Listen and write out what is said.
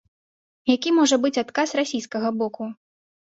Які можа быць адказ расійскага боку?